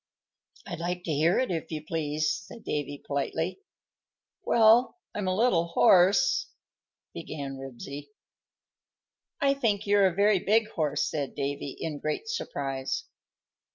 "I'd like to hear it, if you please," said Davy, politely. "Well, I'm a little hoarse," began Ribsy. "I think you're a very big horse," said Davy, in great surprise.